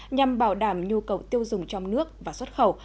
nhằm bảo đảm nhu cầu tiêu dùng trong nước và xuất khẩu